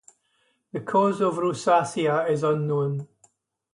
The cause of Rosacea is unknown.